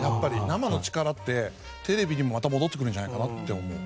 生の力ってテレビにもまた戻ってくるんじゃないかなって思う。